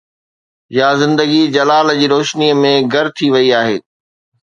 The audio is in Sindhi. يا زندگي جلال جي روشني ۾ گر ٿي وئي آهي؟